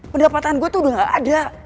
pendapatan gue tuh udah gak ada